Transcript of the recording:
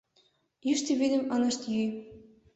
Йӱштӧ вӱдым ынышт йӱ.